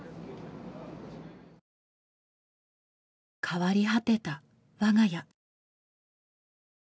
変わり果てた我が家。